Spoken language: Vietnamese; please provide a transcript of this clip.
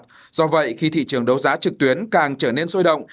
trong khi đấu giá trực tuyến càng trở nên sôi động